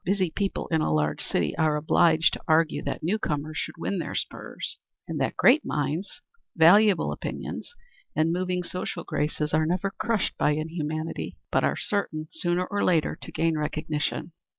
Busy people in a large city are obliged to argue that new comers should win their spurs, and that great minds, valuable opinions, and moving social graces are never crushed by inhumanity, but are certain sooner or later to gain recognition.